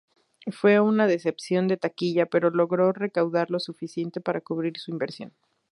Fue una decepción de taquilla, pero logró recaudar lo suficiente para cubrir su inversión.